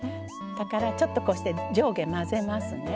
だから、ちょっと、こうして上下、混ぜますね。